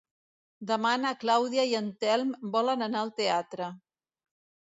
Demà na Clàudia i en Telm volen anar al teatre.